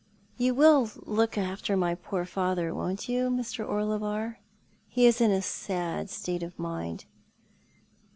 " You will look after my poor father, won't you, Jlr. Orlebar? He is in a .sad state of mind."